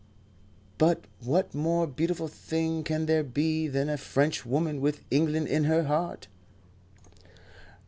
"But what more beautiful thing can there be than a Frenchwoman with England in her heart?